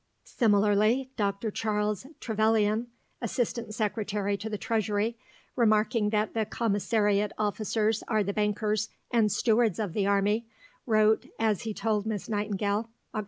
Similarly Sir Charles Trevelyan, Assistant secretary to the Treasury, remarking that the commissariat officers are the bankers and stewards of the army, wrote, as he told Miss Nightingale (Oct.